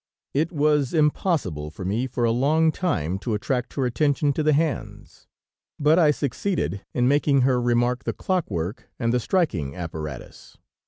"It was impossible for me for a long time to attract her attention to the hands, but I succeeded in making her remark the clockwork and the striking apparatus.